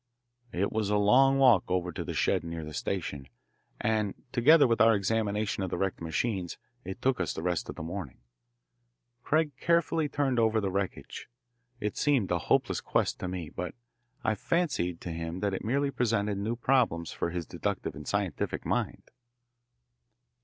It was a long walk over to the shed near the station, and, together with our examination of the wrecked machines, it took us the rest of the morning. Craig carefully turned over the wreckage. It seemed a hopeless quest to me, but I fancied that to him it merely presented new problems for his deductive and scientific mind.